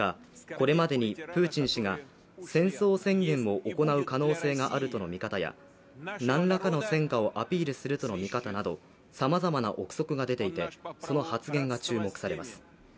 これまでにプーチン氏が戦争宣言を行う可能性があるとの見方や何らかの戦果をアピールするとの見方などさまざまな臆測が出ていてその発言が注目されます。